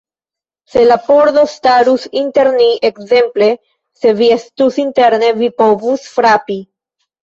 Se la pordo starus inter ni; ekzemple, se vi estus interne, vi povus frapi.